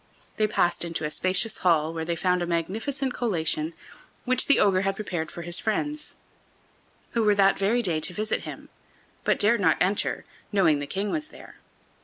They passed into a spacious hall, where they found a magnificent collation, which the ogre had prepared for his friends, who were that very day to visit him, but dared not to enter, knowing the King was there.